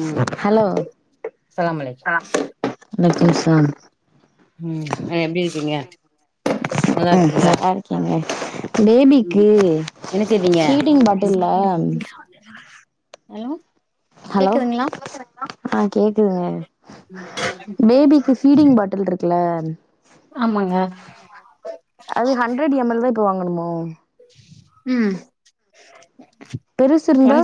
ம் ஹலோ அஸ்ஸலாம் அலைக்கும் ஆ என்ன புதுசா ம் எப்டி இருக்கீங்க நல்லா இருக்கீங்ளா க பேபிக்கு என்ன செய்றீங்க ஃபீடிங் பாட்டில்ல [inaudible] ம் ஹலோ ஆ கேக்குதுங்க [inaudible] பேபிக்கு ஃபீடிங் பாட்டில் இருக்குல ஆமாங்க அது ஹண்ட்ரட் எம் எல் தா இப்போ வாங்கனுமோ ம் பெருசு ஒன் இருந்தா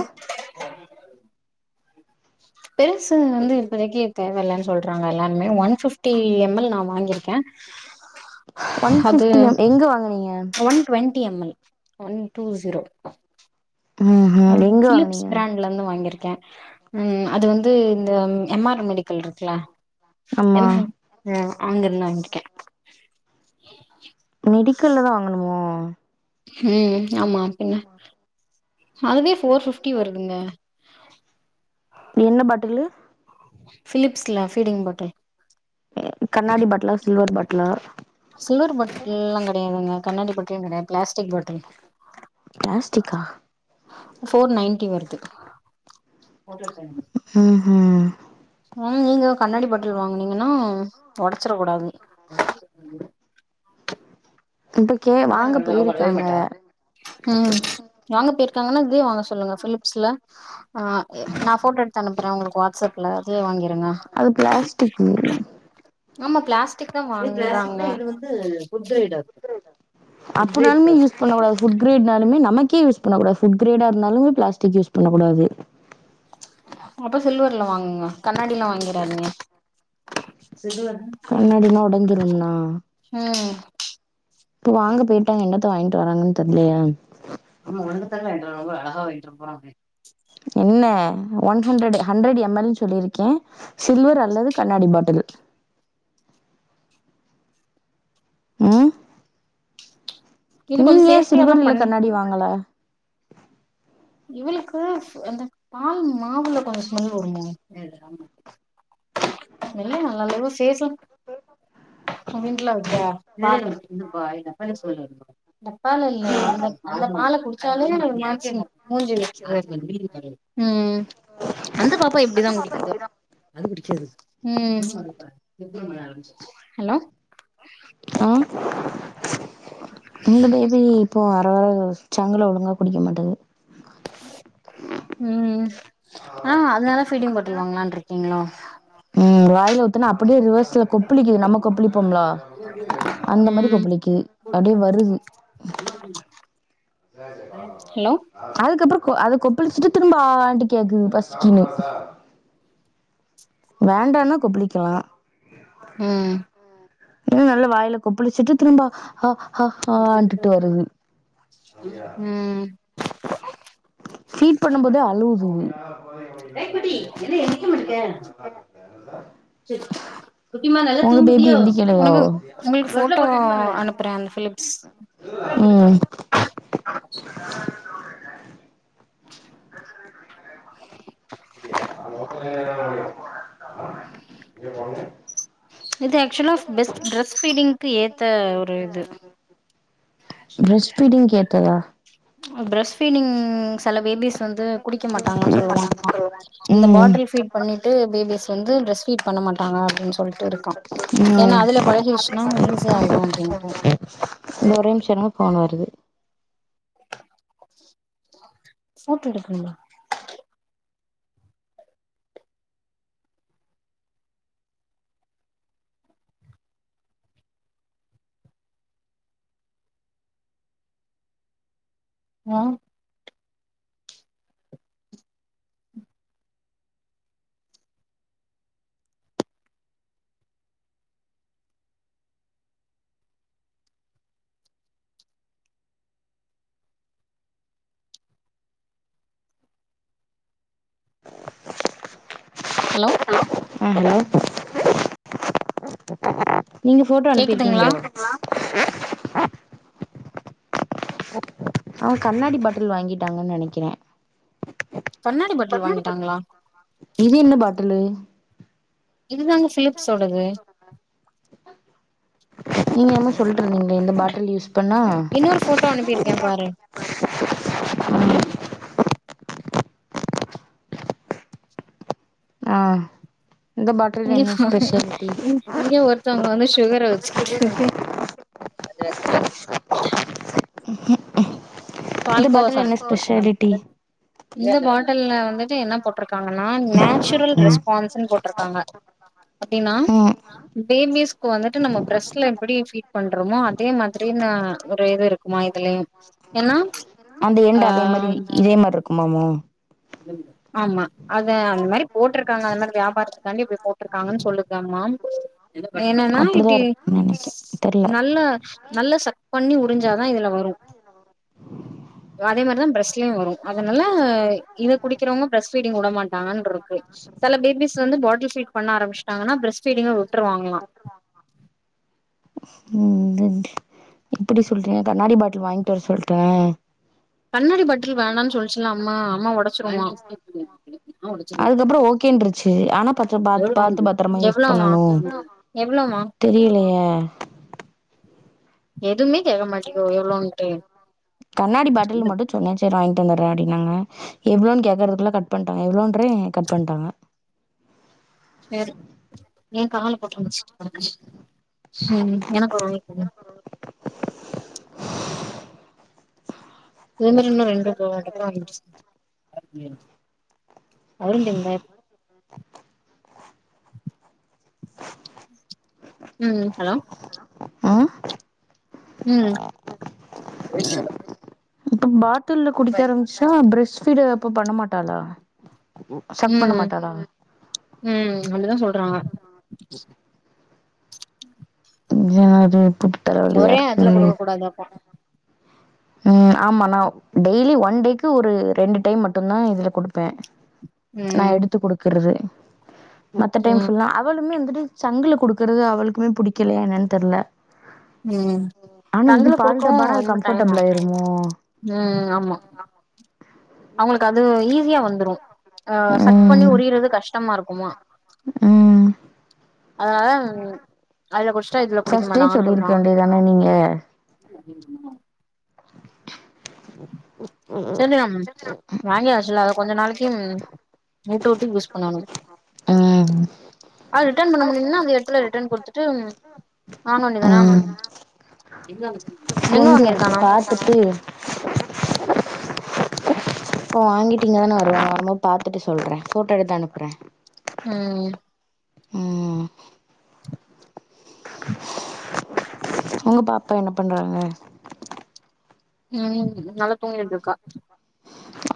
பெருசு வந்து இப்பதைக்கு தேவையில்லன் சொல்றாங்க எல்லாருமே ஒன் பிப்டி எம் எல் நா வாங்கிருக்க ஒன் ஃபிப்டி எம் எங்க வாங்குனீங்க one twenty M L one two zero ம் பிலிப்ஸ் ப்ரண்ட் ல இந்து வாங்கிருக்கே ம் அது வந்து இந்த எம் ஆர் மெடிக்கல் இருக்குல ஆமா என் அ அங்க இருந்து வாங்கிருக்க மெடிக்கல்ல தா வாங்கணுமோ ம் ஆமா பின்ன அதுவே ஃபோர் பிப்டி வருதுங்க என்ன பாட்டிலு பிலிப்ஸ்ல ஃபீடிங் பாட்டல் கண்ணாடி பாட்லா சில்வர் பாட்லா சில்வர் பாட்டில்ல்லா கெடையாதுங்க கண்ணாடி பாட்டிலு கெடையாது பிளாஸ்டிக் பாட்டில் ப்ளஸ்டிக்கா ஃபோர் நயன் ம் ஹும் ம் நீங்க கண்ணாடி பாட்டில் வாங்குனீங்கன்னா ஒடச்சுற கூடாது இப்ப கே நா தான வாங்க கழுவுவே அவ கழுவவே மாட்டா போயிருக்காங்க ம் வாங்க போயிருக்காங்கன்னா இதயே வாங்க சொல்லுங்க ஃப்லிப்ஸ்ல ஆ நா போட்டோ எடுத் அனுப்புறே உங்களுக்கு வாட்ஸ்ஸப்ல அதயு வாங்கிருங்க ஃப்ளாஸ்டிக்கு ஆமா ஃப்ளாஸ்டிக் தா வாங்குறாங்க அப்புனாலுமே யூஸ் பண்ணக் கூடாது ஃபுட்க்ரீட்னாலுமே நமக்கே யூஸ் பண்ணக்கூடாது ஃபுட்கிரேட்டா இருந்தாலுமே ப்ளாஸ்டிக் யூஸ் பண்ணக் கூடாது அப்ப சில்வர்ல வாங்குங்க கண்ணாடில்லா வாங்கிடாதிங்க கண்ணாடின்னா ஒடஞ்சுரும்னா ம் இப்ப வாங்க பொயிட்டாங்க என்னத்த வாங்கிட்டு வராங்கன் தெர்லயே ஆமா உனக்கு தானா வாங்கிட்டு வருவாங்க அழகா வாங்கிட்டு வர போறங்க என்ன ஒன் ஹண்டரட் ஹண்ட்ரட் எம்எல்ன்னு சொல்லியிருக்கே சில்வர் அல்லது கண்ணாடி பாட்டில் ம் இது கொஞ்சோ நீங்க ஏ சேஃப்டியா தா சில்வர் இல்ல பண்ணி கண்ணாடி வாங்கல இவளுக்கு அந்த பால் மாவுல கொஞ்ச ஸ்மல் வருமே [inaudible] [inaudible] டப்பால இல்ல அந்த அந்த பால குடுச்சாலே [unintelligible] மூஞ்சில அடிச்சுரு ம் அந்த பாப்பா இப்டிதா குடிக்கு ம் ஹலோ ஆ இந்த பேபி இப்போ வர வர சங்குல ஒழுங்கா குடிக்க மாட்டேகுது ம் ம் ஆ அதுனால ஃபீடிங் பாட்டில் வாங்களான்ருக்கீங்ளோ ம் வாயில ஊத்துனா அப்புடியே ரிவர்ஸ்ல கொப்புளிக்குது நம்ம கொப்புளிப்போம்லா அந்த மாரி ம் கொப்பளிக்குது அப்டியே வருது ஹலோ [inaudible] அதுக்கப்பறோ அத கொப்புளிச்சுட்டு திரும்ப ஆ ஆ ஆன்ட்டு கேக்குது பசிக்கின்னு வேண்டானா கொப்புளிக்கலா ம் ம் இது நல்ல வாயில கொப்புளிச்சிட்டு திரும்ப ஹா ஹா ஹாண்டுட்டு வருது ம் ஃபீட் பண்ணும்போதே அழவுது [inaudible] குட்டிமா நல்ல உங்க பேபி தூங்கிட்டியோ எந்திக்கலையோ பசங்களுக்கு போட்டோ அனுப்புறே அந்த பிலிப்ஸ் ம் [inaudible] இது ஆக்சுவலா பெஸ்ட் டெஸ் பீடிங்க்கு ஏத்த ஒரு இது ஃப்ரெஸ்ட் பீடிங்கு ஏத்ததா ஃப்ரஸ்ட் பீடிங் செல பேபிஸ் வந்து குடிக்க மாட்டாங்கன்னு சொல்லுவாங்கலா இந்த ம் பாட்டில் ஃபீட் பண்ணிட்டு பேபிஸ் வந்து ஃப்ரஸ்ட் பீட் பண்ண மாட்டாங்க அப்டின் சொல்ட்டு இருக்கா ஏன்னா ம் அதுல பழகிடுச்சுனா ஈஸி ஆயிடு அப்டின்ட்டு இந்த ஒரே நிம்ஷோ இருங்க ஃபோன் வருது போட்டோ எடுக்கணுமா ஆ ஹலோ ஆ ஹலோ நீங்க போஃட்டோ கேக்குதுங்களா அனுப்பிருக்கீங்கலோ அவன் கண்ணாடி பாட்டில் வாங்கிட்டாங்கன்னு நெனைக்கிறே கண்ணாடி பாட்டில் வாங்கிட்டாங்களா இது என்ன பாட்டிலு இது தாங்க பிலிப்ஸ்தொடது நீங்க என்மோ சொல்டுறுதுங்லெ இந்த பாட்டில் யூஸ் பண்ணா இன்னொரு போட்டோ அனுப்பிருக்கே பாரு ஆ இந்த பாட்டில் இங்க என்ன பாருங்க ஸ்பெஷாலிட்டி இங் இங்க ஒருத்தவங்க வந்து சுகர வச்சுக்கிட்டு அது வந்து பர்பிசேன் உம் பால்கோவா சாப்ட்டு ஸ்பெஷாலிட்டி இருக்காங்க இந்த பாட்டுல்ல வந்துட்டு என்ன போட்டு இருக்காங்கன்னா நேச்சுரல் ம் ரெஸ்பான்ஸ்ன்னு போட்டு இருக்காங்க அப்டின்னா ம் பேபிஸ்க்கு வந்துட்டு நம்ம பிரெஸ்ட்ல எப்படி ஃபீட் பண்றோமோ அதே மாதிரினா ஒரு இது இருக்கு குமா இதுலயு என்னா அந்த எண்டு அதே மாரி இதே மாரி இருக்குமாமோ லல்வில்ல ஆமா அத அந்த மாரி போட்டிருக்காங்க அது மாரி வியாபாரத்து காண்டி இப்டி போட்டிருக்காங்கன்னு சொல்லுதாமா என்னன்னா அப்டிதா இப்டி இருக்கும்னு நெனைக்கே தெர்ல நல்ல நல்ல சக் பண்ணி உறிஞ்சா தா இதுல வரு அதே மாரிதா பிரெஸ்லயு வரு அதனால இத குடிக்கிறவங்க பிரெஸ் பீடிங் விட மாட்டாங்கனுடு இருக்கு சில பேபிஸ் வந்து பாட்டில் ஃபீட் பண்ண ஆரம்பிச்சிட்டாங்கன்னா பிரெஸ்ட் ஃபீடிங்க விட்டுருவாங்களா உம் குட்டு இப்டி சொல்றீங்க கண்ணாடி பாட்டில் வாங்கிட்டு வர சொல்லுட்டே கண்ணாடி பாட்டில் வேணான்னு சொல்லிச்சுல்ல அம்மா அம்மா ஒடச்சிருவா அதுக்கப்றோ ஓகேன்றுச்சு ஆனா பச்ச பாத்து பாத்து பத்தரமா யூஸ் எவ்ளோமா பண்ணணு எவ்ளோமா தெரியலையே எதுமே கேட்க மாட்டேங்கொ எவ்ளோண்ட்டு கண்ணாடி பாட்டில் மட் சொன்னே செரி வாங்கிட்டு வந்தறே அப்டினாங்க எவ்ளோனு கேட்கறதுக்குல்ல கட் பண்ணிட்டாங்க எவ்ளோன்றே கட் பண்ணிட்டாங்க வேற ஏ கால போட்டு மீதிச்சுட்டு கிடக்கு எனக்கு ஒரு உதவி பண்ணு ஆ இதெ மாரி இன்னோ ரெண்டு போல டப்பா வந்துருச்சு அவரு தெர்ல உம் ஹலோ ஆ உம் இப்ப பாட்டுல்ல குடிக்க ஆரம்பிச்சா பிரெஸ் ஃபீட் அப்ப பண்ணமாட்டாளா சக் பண்ண மாட்ட லா உம் அப்டிதா சொல்றாங்க இது என்னாது கூப்ட்டு தல வலியா இருக்கு கூடாதாப்பா உம் ஆமா நௌ டெய்லி ஒன் டேக்கு ஒரு ரெண்டு டைம் மட்டுதா இதுல குடுப்பே நா ம் எடுத்து குடுக்கறது மத்த டைம் ம் ஃபுல்லா அவளுமே வந்துட்டு சங்குல குடுக்குறது அவளுக்குமே பிடிக்கலையா என்னான்னு தெர்ல ம் ஆனா இது சங்குல பால் கொடுக்கவு டப்பானா அது வரமாட்டாங்கனா கம்ஃபர்டபிள் ஆயிருமோ உம் ஆமா அவங்களுக்கு அது ஈஸியா வந்துரு அஹ் சக் பண்ணி ம் உரியறது கஷ்டமா இருக்குமா ம் அதனால அதுல குடிச்சிட்டா இதுல குடிக்க ஃபர்ஸ்ட்டே மாட்டாங்கனு சொல்லிருக்க சொல்றங்க வேண்டியதான நீங்க உ உம் [unintelligible] வாங்கியாச்சுல அத கொஞ்ச நாளைக்கு மூட்டவுட்டு யூஸ் பண்ணணு ம் அ ரிட்டன் பண்ண முடியுன அந்த இடத்துல ரிட்டன் குடுத்துட்டு வாங்க வேண்டிதானா கொண்டுவரத்து பாத்துட்டு இப்போ வாங்கிட்டு இங்கதானே வருவங்க வரும்போது பாத்துட்டு சொல்ற ஃபோட்டோ எடுத்து அனுப்புற ம் ம் உங்க பாப்பா என்ன பண்றாங்க உம் நல்லா தூங்கிட்டு இருக்கா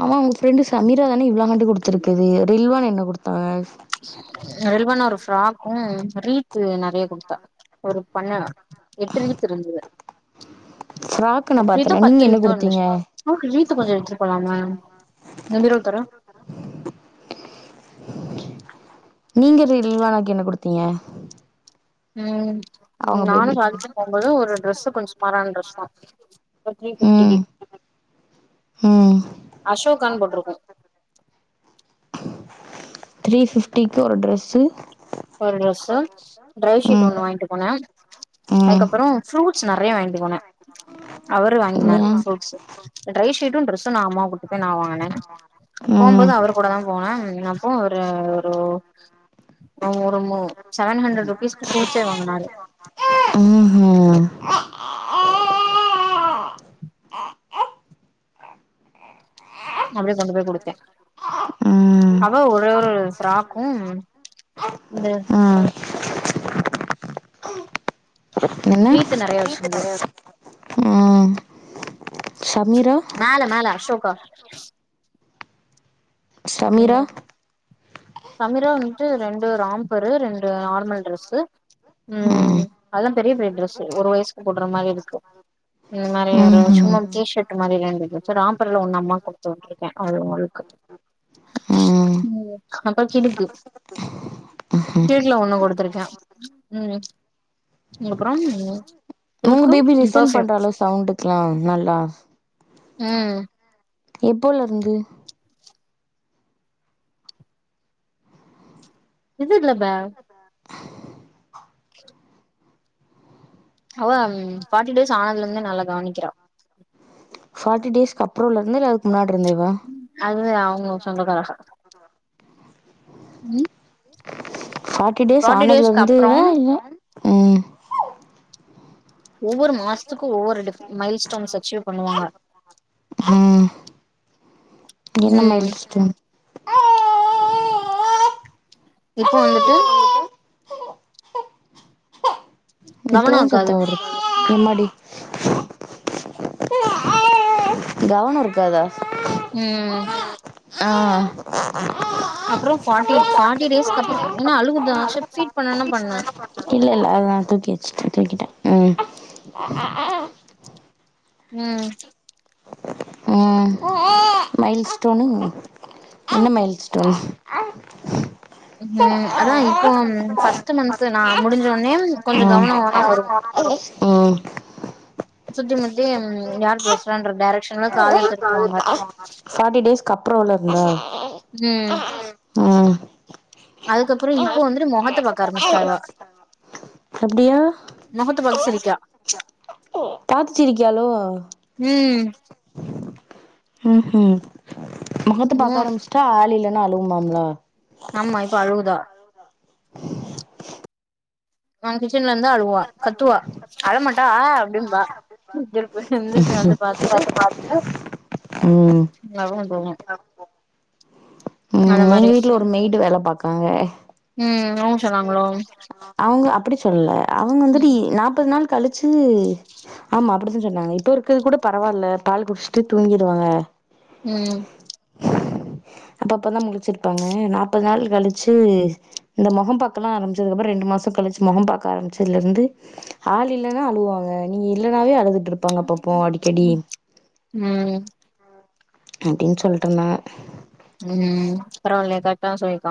ஆமா உங்க ஃப்ரெண்டு் சமீரா தானே இவ்வளாங்காண்டு கொடுத்துருக்குது ரில்வான் என்ன கொடுத்தாவ ரில்வன் ஒரு ஃப்ராக்கு ரீத்து நெறைய கொடுத்தா ஒரு பண்ண [unintelligible] இருந்துது ஃப்ராக்கு நா எட்டு ரீத்தோ பாத்தனே நீங்க பத்து என்ன ரீத்தோ குடுத்தீங்க இருந்தச்சு ஓகே ரீத்து கொஞ்ச எடுத்துட்டு போலாமா இந்த பீரோவ தொற நீங்க ரில்வானாக்கு என்ன குடுத்தீங்க உம் அவங்க நானு பேபிக்கு சாதிக்கு போம்போது ஒரு டிரரெஸு கொஞ்ச சுமாறான டிரெஸ் தா ஒரு த்ரீ ஃபிப்டிக்கு ம் ம் அசோகான்னு போட்ருக்கு த்ரீ ஃபிப்டிக்கு ஒரு ட்ரெஸு ஒரு ட்ரெஸ்சு ட்ரை ஷீட் ம் ஒன்னு வாங்கிட்டு போன ம் அதுக்கப்புற ஃப்ரூட்ஸ் நறைய வாங்கிட்டு போன அவரு வாங்கினாரு ம் ஃப்ரூட்ஸு ட்ரை ஷீட்டு ட்ரெஸ்ஸு நா அம்மாவ கூட்டு போய் நா வாங்குன போம்போது ம் அவரு கூட தா போன அப்போ ஒரு ஒரு ஒருமோ செவன் ஹண்ட்ரட் ருபீஸ்க்கு ஃப்ரூட்ஸே வாங்குனாரு உம் உம் அப்டியே கொண்டு போய் குடுத்தே ம் அவ ஒரே ஒரு ஃப்ராக்கு இந்த ம் ரீத்து நெறைய வச்சிருந்துது அ சமீரா மேல மேல அசோகா சமீரா உம் சமீரா வந்துட்டு ரெண்டு ராம்பரு ரெண்டு நார்மல் ட்ரெஸு உம் ம் அது பெரிய பெரிய ட்ரெஸு ஒரு வயசுக்கு போட்ற மாரி இருக்கு இந்த மாரி ஒரு ம்ஹூம் சும்மான் டி-ஷர்ட் இது மாறி ரெண்டு ட்ரெஸு ரேம்பர்ல ஒன்னு அம்மாக்கு குடுத்து வுட்டுருக்கே அது உங்களுக்கு ம் உம் [unintelligible] ம்ஹூம் கீட்ல ஒன்னு குடுத்திருக்கே உம் அப்புற உங்க பேபி லிசன் பண்றாலா சவுண்டுக்ல்லா நல்லா உம் எப்போல இருந்து இதுபில்லாபே அவ ஃபார்ட்டி டேஸ் ஆனதுலந்தே நல்லா கவனிக்கிறா ஃபார்ட்டி டேஸ்க்கு அப்புறோலருந்தா இல்ல அதுக்கு முன்னாடி இருந்தேவா அதுவே அவுங்க சொந்தகாரக ஃபார்ட்டி டேஸ் ஆனதுல டேஸ்க்கு அப்றம் இருந்தேவா இல்ல ம் ஒவ்வொரு மாசத்துக்கு ஒவ்வொரு டிப் மைல் ஸ்டோன்ஸ் அச்சீவ் பண்ணுவாங்க ம் என்ன ம் மைல்ஸ்ட்டு இப்போ வந்துட்டு இப்ப தா கவனோ சத்த இருக்காது வருது யம்மாடி கவனோ இருக்காதா ம் ஆ அப்புறோ அப்றோ பார்டின் ஃபார்ட்டி பாட்டில் டேஸ்க்கு அப்பற எடுத்துட்டு ரைஸ் கப் என்னா அழுவுதா சேரி பீட் பண்ணணும்னா பண்ணு இல்ல இல்ல எ தூக்கியாச்சி தூக்கிட்டே ம் ம் ம் மைல் ஸ்டோனு என்ன மைல் ஸ்டோன்ஸ் ம் அதா இப்போ ஃபர்ஸ்ட் மந்த் து நா முடிஞ்சோனே கொஞ்சோ ம் கவனமாதா வரு ம் சுத்தி முத்தி யார் பேசுறான்ற டைரக்ஷன்ல காத திருப்புவாங்க ஃபார்ட்டி டேஸ்க்கு அப்புற உள்ளது இந்த ம் அதுக்கப்புறோ இப்ப வந்துட்டு மொகத்த பாக்க ஆரம்பிச்சட்டா இவ அப்டியா மொகத்தப் பாத்து சிரிக்கா பாத்து சிருக்கிஆலோ ம் ம் ம் மொகத்தை மு பாக்க ஆரம்பிச்சுட்டா ஆள் இல்லன்னா அழுவுபாங்ளோ ஆமா இப்போ அழவுதா நா கிச்சன்ல இருந்தா அழுவா கத்துவா அழமாட்டா ஆ அப்டிம்பா திருப்பு இந்திருப்பு வந்து பாத்துட்டு ம் அவுங்க போவு அந்த ம் எங்க மாரி வீட்ல ஒரு மெய்டு வேல பாக்காங்க ம் அவுங்க சொன்னாங்களோ அவுங்க அப்பிடி சொல்லல அவுங்க வந்துட்டு ம் இ நாப்பது நாள் கழிச்சு ஆமா அப்பிடித்தா சொன்னாங்க இப்ப இருக்கது கூட பரவாயில்ல பால் குடிச்சுட்டு தூங்கிடுவாங்க ம் அப்ப அப்பதா முழிச்சிருப்பாங்க நாப்பது நாள் கழிச்சு இந்த மொகம் பாக்க எல்லா ஆரம் து க்கப்புற ரெண்டு மாச கழிச்சு மொகம் பாக்க ஆரம்பிச்சதுல இருந்து ஆள் இல்லேன்னா அழுவாங்க நீங்க இல்லேனாவே அழுதுட்டு இருப்பாங்க அப்பப்போ அடிக்கடி ம் அப்டின்னு சொல்ட்டிருந்தாங்க ம் பரவால்லயே கரெக்ட்டா சொல்லிருக்காங்